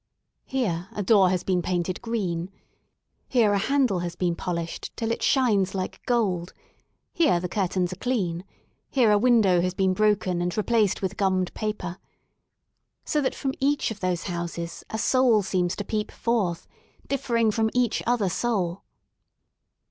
Here a door has been painted green, here a handle has been poHshed till it shines like gold, here the curtains are clean, here a window has been broken and replaced with gummed paper. So that from each of those houses a soul seems to peep forth, differing from each other soul.